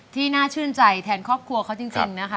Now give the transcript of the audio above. น่าชื่นใจแทนครอบครัวเขาจริงนะคะ